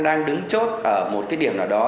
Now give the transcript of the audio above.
đang đứng chốt ở một cái điểm nào đó